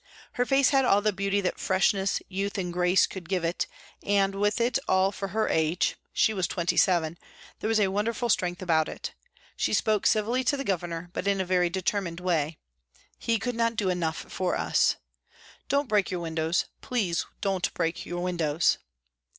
Her face had all the beauty that freshness, youth and grace could give it, and with it all for her age she was twenty seven there was a wonderful strength about it. She spoke civilly to the Governor, but in a very determined way. He could not do enough for us. " Don't break your windows please don't break your windows."